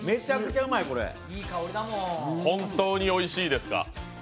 本当においしいですか？